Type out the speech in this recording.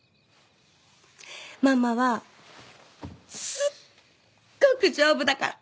ママはすっごく丈夫だから。